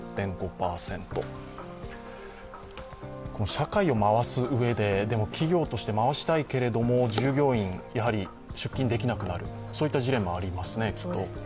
社会を回すうえで、でも、企業として回したいけれども、従業員が出勤できなくなるというジレンマもありますね。